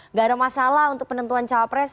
nggak ada masalah untuk penentuan cawapres